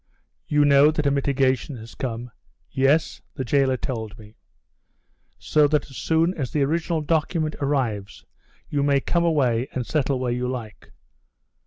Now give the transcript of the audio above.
"You know that a mitigation has come?" "Yes, the jailer told me." "So that as soon as the original document arrives you may come away and settle where you like.